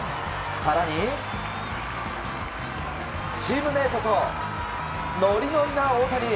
更に、チームメートとノリノリな大谷。